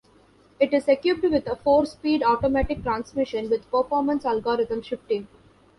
It is equipped with a four-speed automatic transmission with performance algorithm shifting.